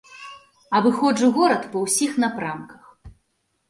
Абыходжу горад па ўсіх напрамках.